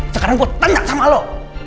sekarang gua tanya sama lu